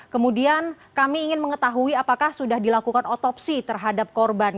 kemudian kami ingin mengetahui apakah sudah dilakukan otopsi terhadap korban